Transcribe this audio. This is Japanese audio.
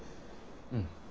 うん。